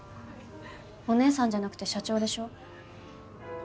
「お姉さん」じゃなくて「社長」でしょ。